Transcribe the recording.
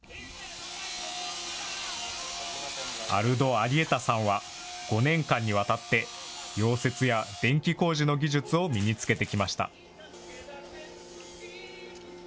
アルド・アリエタさんは、５年間にわたって、溶接や電気工事の技術を身につけてきました。